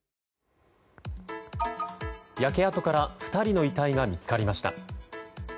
焼け跡から２人の遺体が見つかりました。